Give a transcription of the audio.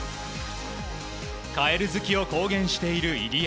カエル好きを公言している入江。